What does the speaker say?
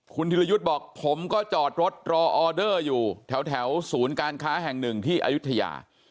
คุณธิรยุทธ์บอกผมก็จอดรถรอออเดอร์อยู่แถวศูนย์การค้าแห่งหนึ่งที่อายุทยา